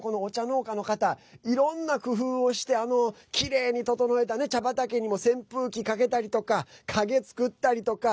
農家の方いろんな工夫をしてきれいに整えた茶畑に扇風機かけたりとか陰、作ったりとか。